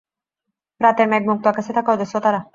রাতের মেঘমুক্ত আকাশে থাকে অজস্র তারা।